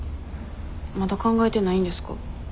まだ考えてないんですか？